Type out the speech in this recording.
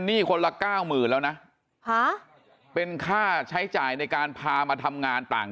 หนี้คนละ๙๐๐๐๐แล้วนะเป็นค่าใช้จ่ายในการพามาทำงานต่าง